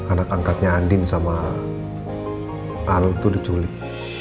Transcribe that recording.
anak angkatnya andin sama al itu diculik